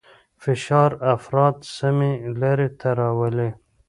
فشار افراد سمې لارې ته راولي.